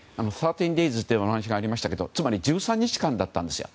「１３デイズ」というお話がありましたがつまり１３日間だったんですよ。